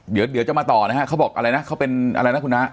เดี๋ยวเดี๋ยวจะมาต่อนะฮะเขาบอกอะไรนะเขาเป็นอะไรนะคุณน้า